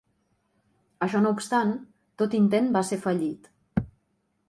Això no obstant, tot intent va ser fallit.